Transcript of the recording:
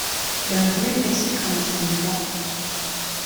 There are three basic kinds of nougat.